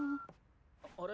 あれ？